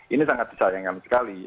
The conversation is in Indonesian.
ini sangat disayangkan sekali